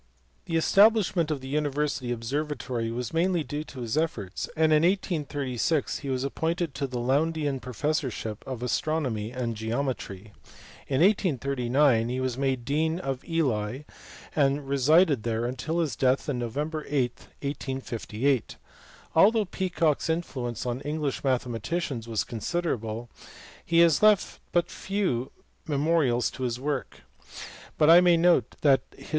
The establishment of the university observatory was mainly due to his efforts, and in 1836 he was appointed to the Lowndean professorship of astronomy and geometry. In 1839 he was made dean of Ely, and resided there till his death on Nov. 8, 1858. Although Peacock s influence on English mathematicians was considerable he has left but few me morials of his work; but I may note that his.